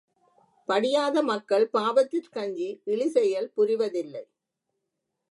படியாத மக்கள் பாவத்திற்கஞ்சி, இழி செயல் புரிவதில்லை.